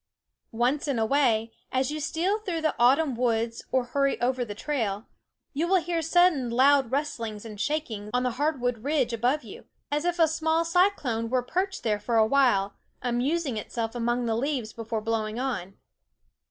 Once in a way, as you steal through the autumn woods or hurry over the trail, you will hear sudden loud rustlings and shakings on the hardwood ridge above you, as if a small cyclone were perched there for a while, amusing itself among the leaves before blowing on.